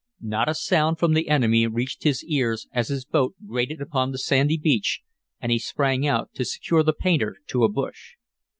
Not a sound from the enemy reached his ears as his boat grated upon the sandy beach, and he sprang out to secure the painter to a bush.